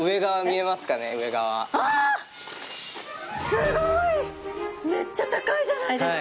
すごい！めっちゃ高いじゃないですか！